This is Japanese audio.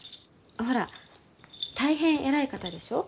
ほら大変偉い方でしょう？